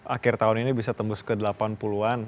akhir tahun ini bisa tembus ke delapan puluh an